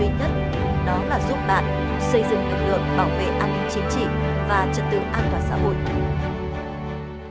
chính trị và trật tự an toàn xã hội